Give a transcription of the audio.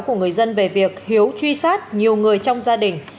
của người dân về việc hiếu truy sát nhiều người trong gia đình